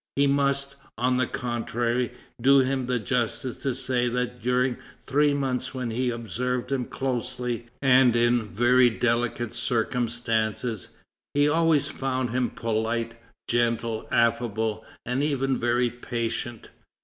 He must, on the contrary, do him the justice to say that during three' months when he observed him closely and in very delicate circumstances, he always found him polite, gentle, affable, and even very patient.